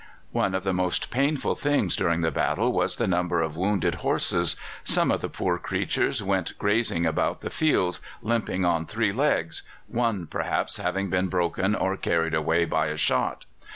One of the most painful things during the battle was the number of wounded horses. Some of the poor creatures went grazing about the fields, limping on three legs, one, perhaps, having been broken or carried away by a shot.